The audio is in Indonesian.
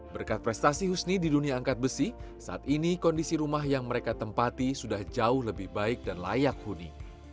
berkat prestasi husni di dunia angkat besi saat ini kondisi rumah yang mereka tempati sudah jauh lebih baik dan layak huni